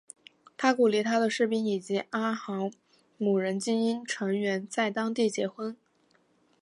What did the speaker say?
他鼓励他的士兵以及阿豪姆人精英成员在当地结婚。